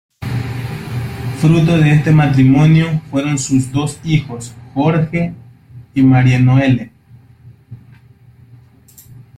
Fruto de este matrimonio fueron sus dos hijos: Jorge y Marie Noelle.